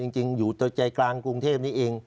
จริงอยู่ใจกลางกรุงเทพนี้เอง